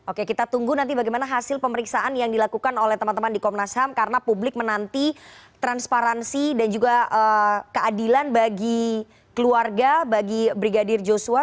oke kita tunggu nanti bagaimana hasil pemeriksaan yang dilakukan oleh teman teman di komnas ham karena publik menanti transparansi dan juga keadilan bagi keluarga bagi brigadir joshua